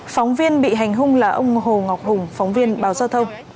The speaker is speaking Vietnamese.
phóng viên bị hành hung là ông hồ ngọc hùng phóng viên báo giao thông